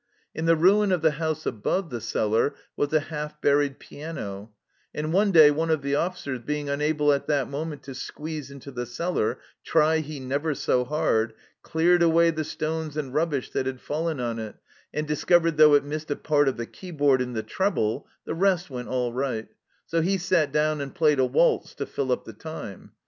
In the ruin of the house above the cellar was a half buried piano, and one day one of the officers, being unable at that moment to squeeze into the cellar, try he never so hard, cleared away the stones and rubbish that had fallen on it, and discovered that though it missed a part of the keyboard in the treble, the rest went all right, so he sat down and played a waltz to fill up the time.